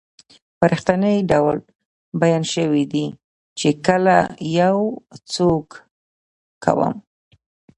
په رښتني ډول بیان شوي دي چې کله یو څوک کوم